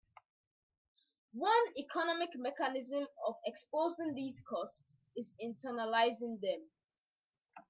One economic mechanism of exposing these costs is internalizing them.